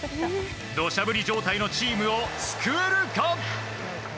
土砂降り状態のチームを救えるか？